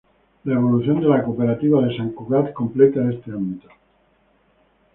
La evolución de la cooperativa de Sant Cugat completa este ámbito.